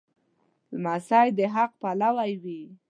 لمسی د حق پلوی وي.